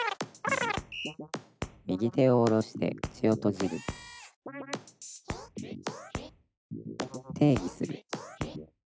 「右手を下ろして口を閉じる」定義する。